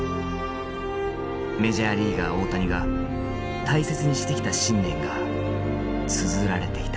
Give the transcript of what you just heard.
メジャーリーガー大谷が大切にしてきた信念がつづられていた。